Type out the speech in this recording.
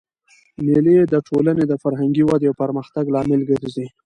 مېلې د ټولني د فرهنګي ودئ او پرمختګ لامل ګرځي.